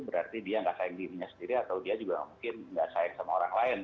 berarti dia nggak sayang dirinya sendiri atau dia juga mungkin nggak sayang sama orang lain